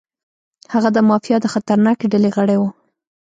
هغه د مافیا د خطرناکې ډلې غړی و.